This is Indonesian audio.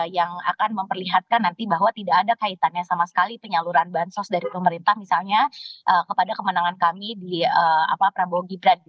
yang akan memperlihatkan nanti bahwa tidak ada kaitannya sama sekali penyaluran bansos dari pemerintah misalnya kepada kemenangan kami di prabowo gibran